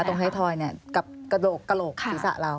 ตรงไทยทอยเนี่ยกับกะโหลกที่สระเรา